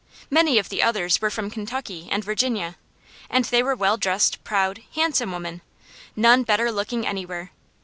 Many of the others were from Kentucky and Virginia, and they were well dressed, proud, handsome women; none better looking anywhere.